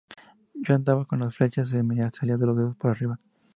Yo andaba con las Flecha: se me salían los dedos por arriba.